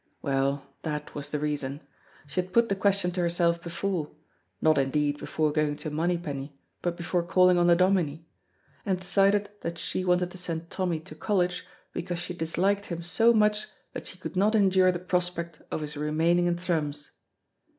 Well, that was the reason. She had put the question to herself before not, indeed, before going to Monypenny but before calling on the Dominie and decided that she wanted to send Tommy to college, because she disliked him so much that she could not endure the prospect of his remaining in Thrums.